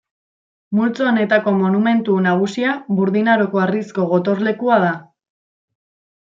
Multzo honetako monumentu nagusia Burdin Aroko harrizko gotorlekua da.